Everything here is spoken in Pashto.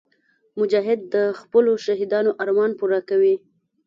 مجاهد د خپلو شهیدانو ارمان پوره کوي.